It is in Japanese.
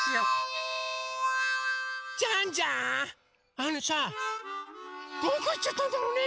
あのさどこいっちゃったんだろうね？